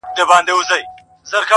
په دې ښار کي په سلگونو یې خپلوان وه-